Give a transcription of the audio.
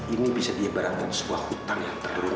ini bisa dia barangkan sebuah hutang yang terlalu nasib